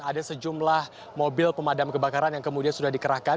ada sejumlah mobil pemadam kebakaran yang kemudian sudah dikerahkan